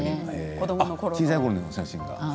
小さいころの写真が。